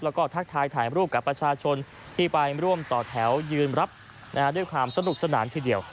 แล้วก็ทักทายถ่ายรูปกับประชาชนที่ไปร่วมต่อแถวยืนรับด้วยความสนุกสนานทีเดียว